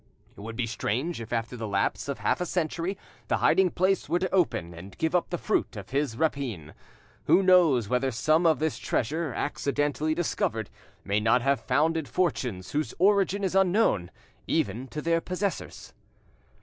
It would be strange if after the lapse of half a century the hiding place were to open and give up the fruit of his rapine. Who knows whether some of this treasure, accidentally discovered, may not have founded fortunes whose origin is unknown, even to their possessors?